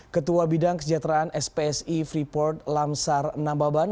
ketua bidang kesejahteraan spsi freeport lamsar nambaban